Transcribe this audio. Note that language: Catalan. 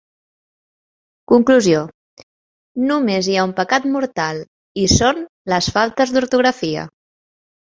Conclusió: només hi ha un pecat mortal, i són les faltes d'ortografia.